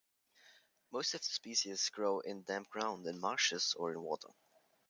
Most of the species grow in damp ground, in marshes or in water.